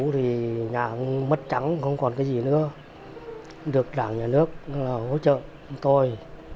đã ổn định rồi